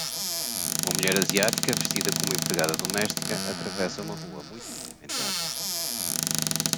Uma mulher asiática vestida como empregada doméstica atravessa uma rua muito movimentada.